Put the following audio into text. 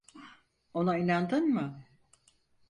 Ona inandın mı?